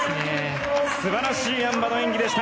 素晴らしいあん馬の演技でした。